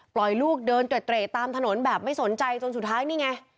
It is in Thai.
ลูกเดินเตรตามถนนแบบไม่สนใจจนสุดท้ายนี่ไง